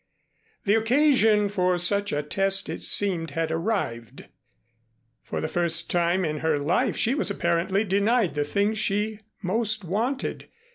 The occasion for such a test, it seemed, had arrived. For the first time in her life she was apparently denied the thing she most wanted.